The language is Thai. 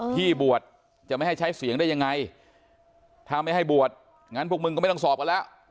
ที่บวชจะไม่ให้ใช้เสียงได้ยังไงถ้าไม่ให้บวชงั้นพวกมึงก็ไม่ต้องสอบกันแล้ว